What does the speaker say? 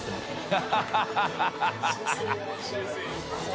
ハハハ